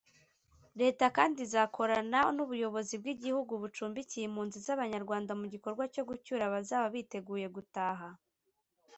Leta kandi izakorana n’ubuyobozi bw’ibihugu bicumbikiye impunzi z’Abanyarwanda mu gikorwa cyo gucyura abazaba biteguye gutaha